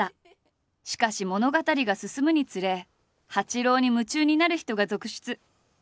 しかし物語が進むにつれ八郎に夢中になる人が続出。